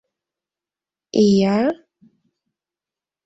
Ия?